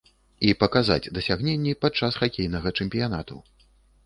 І паказаць дасягненні падчас хакейнага чэмпіянату.